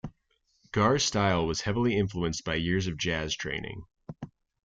Gar's style was heavily influenced by years of jazz training.